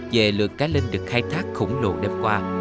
về lượt cá linh được khai thác khủng lồ đêm qua